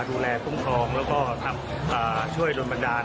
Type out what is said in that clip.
ดูแลต้มครองและก็ทำช่วยโดนบันดาล